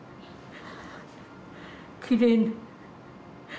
きれいに。